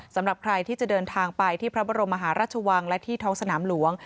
สำหรับใครที่จะเดินทางไปที่พระบรมมหาราชวังและที่ท้องสนามหลวง